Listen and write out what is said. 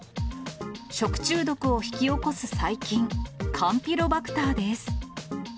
食中毒を引き起こす細菌、カンピロバクターです。